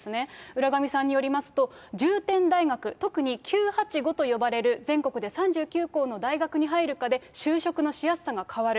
浦上さんによりますと、重点大学、特に９８５と呼ばれる全国で３９校の大学に入るかで就職のしやすさが変わる。